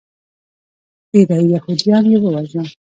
ډیری یهودیان یې ووژل.